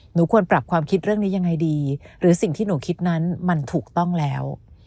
หนูควรปรับความคิดเรื่องนี้ยังไงดีหรือสิ่งที่หนูคิดนั้นมันถูกต้องแล้ว